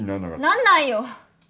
なんないよ！